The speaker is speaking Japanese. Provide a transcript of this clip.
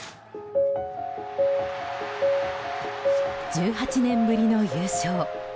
１８年ぶりの優勝。